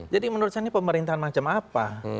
jadi menurut saya ini pemerintahan macam apa